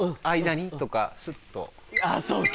あぁそうか。